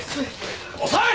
遅い！